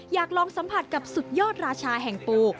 อยากลองสัมผัสกับสุดยอดราชาแห่งปู